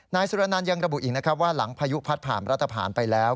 นายสุรนันต์ยังระบุอีกนะครับว่าหลังพายุพัดผ่านรัฐผ่านไปแล้ว